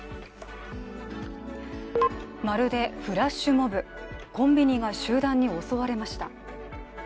まるでフラッシュモブ、コンビニが集団に襲われました。